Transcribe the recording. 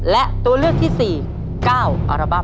และตัวเลือกที่๔๙อัลบั้